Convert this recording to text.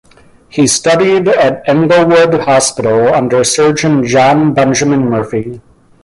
He studied at Englewood Hospital under surgeon John Benjamin Murphy.